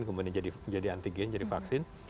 kemudian jadi antigen jadi vaksin